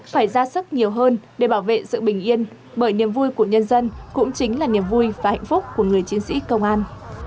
phải ra sức nhiều hơn để bảo vệ sự bình yên bởi niềm vui của nhân dân cũng chính là niềm vui và hạnh phúc của người chiến sĩ công an